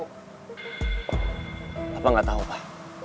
papa gak tau pak